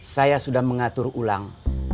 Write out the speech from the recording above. saya sudah mengatur ulang